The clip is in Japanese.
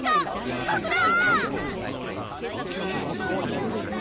遅刻だ！